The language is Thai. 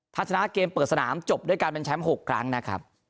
ถ้าชนะเกมเปิดสนามจบด้วยการเป็นแชมป์๖ครั้งนะครับ